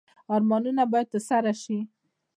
ارمانونه باید ترسره شي